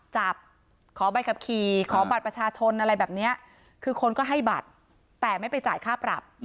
ขอใบขับขี่ขอบัตรประชาชนอะไรแบบนี้คือคนก็ให้บัตรแต่ไม่ไปจ่ายค่าปรับ